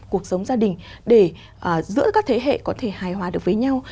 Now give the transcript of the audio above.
cuộc sống gia đình để giữa các thế hệ có thể hài hòa được với nhau